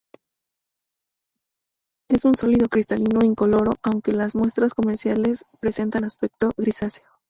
Es un sólido cristalino incoloro, aunque las muestras comerciales presentan aspecto grisáceo.